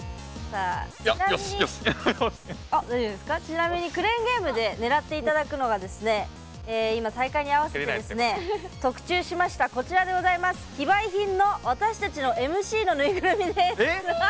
ちなみにクレーンゲームで狙っていただくのが大会に合わせて特注しました非売品の私たちのＭＣのぬいぐるみです。